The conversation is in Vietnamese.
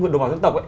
đồng bào dân tộc